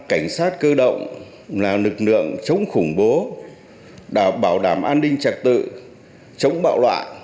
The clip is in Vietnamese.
cảnh sát cơ động là lực lượng chống khủng bố bảo đảm an ninh trật tự chống bạo loạn